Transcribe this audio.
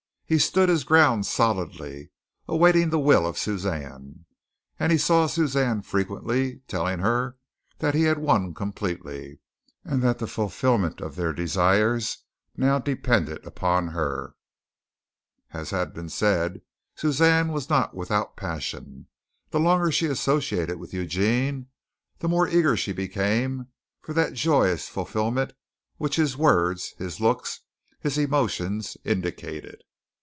He stood his ground solidly, awaiting the will of Suzanne, and he saw Suzanne frequently, telling her that he had won completely, and that the fulfilment of their desires now depended upon her. As has been said, Suzanne was not without passion. The longer she associated with Eugene, the more eager she became for that joyous fulfilment which his words, his looks, his emotions indicated.